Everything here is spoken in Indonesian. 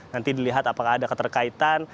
nanti dilihat apakah ada keterkaitan